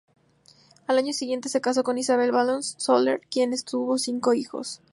Al año siguiente se casó con Isabel Bassols Soler, con quien tuvo cinco hijos.